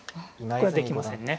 これはできませんね。